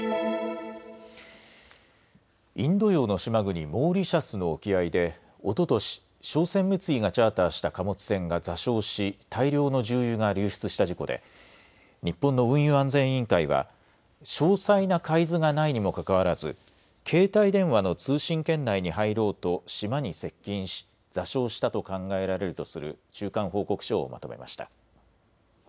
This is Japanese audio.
インド洋の島国モーリシャスの沖合でおととし、商船三井がチャーターした貨物船が座礁し大量の重油が流出した事故で日本の運輸安全委員会は詳細な海図がないにもかかわらず携帯電話の通信圏内に入ろうと島に接近し座礁したと考えられるとする中間報告書をまとめました。